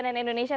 baik terima kasih